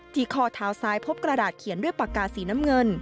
ข้อเท้าซ้ายพบกระดาษเขียนด้วยปากกาสีน้ำเงิน